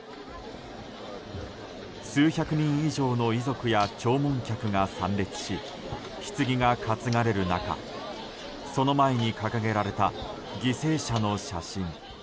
数百人以上の遺族や弔問客が参列しひつぎが担がれる中その前に掲げられた犠牲者の写真。